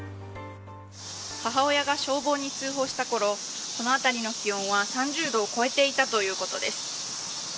母親が消防に通報した頃この辺りの気温は３０度を超えていたということです。